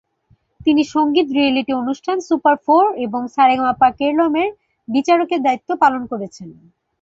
তিনি সঙ্গীত রিয়েলিটি অনুষ্ঠান "সুপার ফোর" এবং "সা রে গা মা পা কেরলম"-এর বিচারকের দায়িত্ব পালন করেছেন।